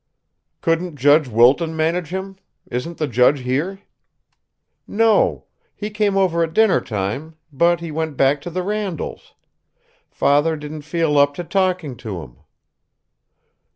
"Couldn't Judge Wilton manage him? Isn't the judge here?" "No. He came over at dinner time; but he went back to the Randalls'. Father didn't feel up to talking to him."